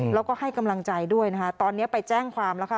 แล้วก็ให้กำลังใจด้วยนะคะตอนนี้ไปแจ้งความแล้วค่ะ